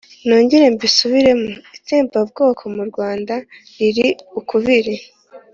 nongere mbisubiremo, itsembabwoko mu rwanda liri ukubiri.